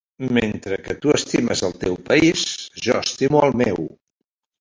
Mentre que tu estimes el teu país, jo estimo el meu.